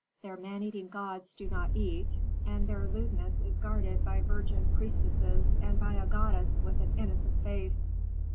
"Their man eating gods do not eat, and their lewdness is guarded by virgin priestesses and by a goddess with an innocent face."